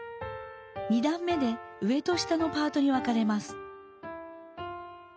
２だん目で上と下のパートに分かれます。